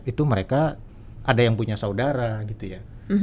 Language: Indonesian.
itu mereka ada yang punya saudara gitu ya